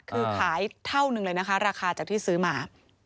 คือขายเท่านึงเลยนะคะราคาจากที่ซื้อมา